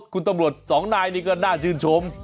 คุณตำรวจสองนายนี่ก็น่าชื่นชม